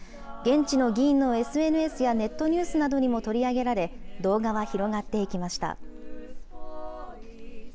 現地の議員のＳＮＳやネットニュースなどにも取り上げられ、動画は広がっていきました。